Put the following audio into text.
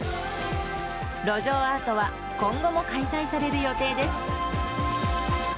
路上アートは、今後も開催される予定です。